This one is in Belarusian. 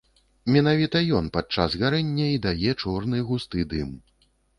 Менавіта ён падчас гарэння і дае чорны густы дым.